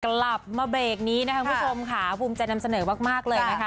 กลับมาเบรกนี้นะคะคุณผู้ชมค่ะภูมิใจนำเสนอมากเลยนะคะ